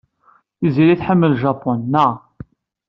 Tiziri tḥemmel Japun, naɣ?